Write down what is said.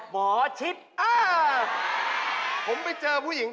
เป็นกะเลีอง